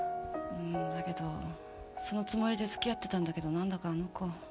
だけどそのつもりで付き合ってたんだけど何だかあの子。